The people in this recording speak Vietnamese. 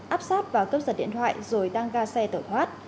áp sát vào cướp giật điện thoại rồi đang ga xe tẩu thoát